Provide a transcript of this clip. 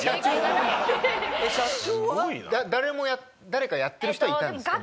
誰かやってる人はいたんですか？